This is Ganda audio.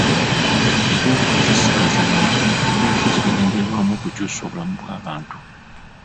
Ebyobufuzi si kazannyo, ebyobufuzi bigendereddwamu okukyusa obulamu bw'abantu.